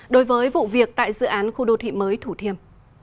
đối với vụ việc tại dự án khu đô thị mới thủ thiêm